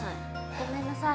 ごめんなさい